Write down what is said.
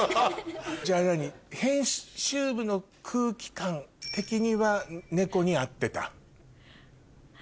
じゃあ何編集部の空気感的には『ねこ』に合ってた？